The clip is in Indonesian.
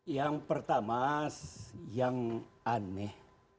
yang pertama yang aneh